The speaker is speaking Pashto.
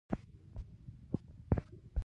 د وېښتیانو وده وخت ته اړتیا لري.